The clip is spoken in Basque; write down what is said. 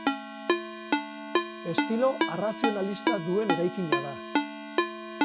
Estilo arrazionalista duen eraikina da.